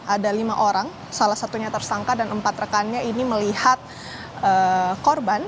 ada lima orang salah satunya tersangka dan empat rekannya ini melihat korban